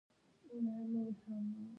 موږ یو علتي ساده تیوري وړاندې کړې.